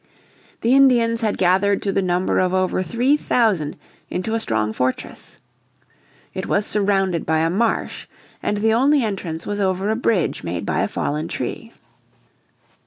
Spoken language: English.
The Indians had gathered to the number of over three thousand into a strong fortress. It was surrounded by a marsh and the only entrance was over a bridge made by a fallen tree.